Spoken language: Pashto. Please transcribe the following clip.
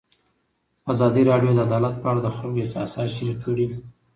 ازادي راډیو د عدالت په اړه د خلکو احساسات شریک کړي.